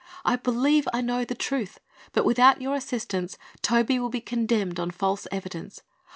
I believe I know the truth, but without your assistance Toby will be condemned on false evidence.